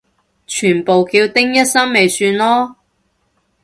全部叫丁一心咪算囉